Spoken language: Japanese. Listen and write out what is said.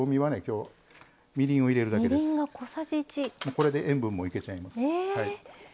これで塩分もいけちゃいます。